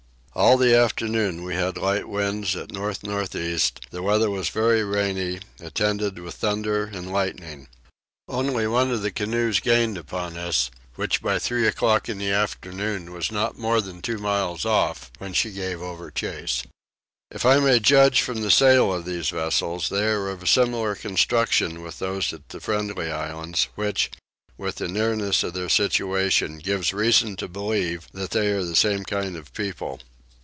All the afternoon we had light winds at north north east: the weather was very rainy, attended with thunder and lightning. Only one of the canoes gained upon us, which by three o'clock in the afternoon was not more than two miles off, when she gave over chase. If I may judge from the sail of these vessels they are of a similar construction with those at the Friendly Islands which, with the nearness of their situation, gives reason to believe that they are the same kind of people.